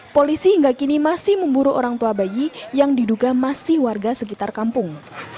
polisi hingga kini masih memburu orang tua bayi yang diduga masih warga sekitar kampung